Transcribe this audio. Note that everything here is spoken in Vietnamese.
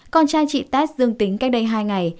con trai chị test dương tính cách đây hai ngày